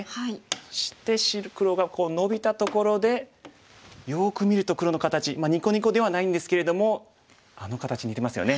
そして黒がノビたところでよく見ると黒の形２個２個ではないんですけれどもあの形似てますよね。